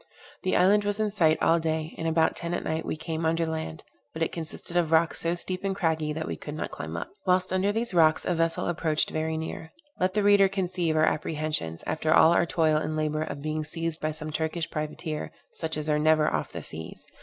The island was in sight all day, and about ten at night we came under the land, but it consisted of rocks so steep and craggy that we could not climb up. Whilst under these rocks a vessel approached very near. Let the reader conceive our apprehensions, after all our toil and labor, of being seized by some Turkish privateer, such as are never off the seas.